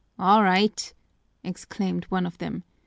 "All right!" exclaimed one of them.